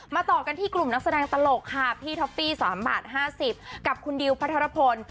ต่อกันที่กลุ่มนักแสดงตลกค่ะพี่ท็อฟฟี่๓บาท๕๐กับคุณดิวพระธรพล